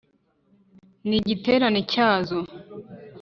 n’ igiterane cyazo,